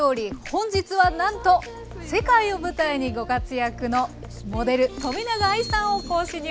本日はなんと世界を舞台にご活躍のモデル冨永愛さんを講師にお迎えします。